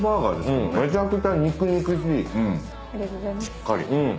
しっかり。